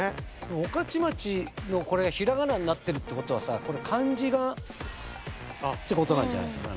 「おかちまち」のこれが平仮名になってるってことはさ漢字がってことなんじゃない？